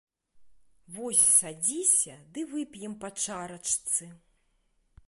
Вось садзіся ды вып'ем па чарачцы.